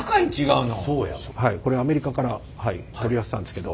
これアメリカから取り寄せたんですけど。